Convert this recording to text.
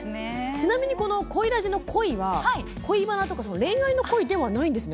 ちなみに「コイらじ」のコイは恋バナとか、恋愛のコイではないんですね。